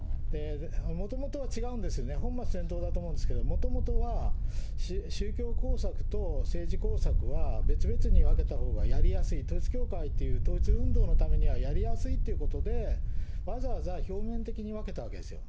もともとは違うんですよね、本末転倒だと思うんですけれども、もともとは宗教工作と政治工作は別々に分けたほうがやりやすい、統一教会という統一運動のためにはやりやすいということで、わざわざ表面的に分けたわけですよ。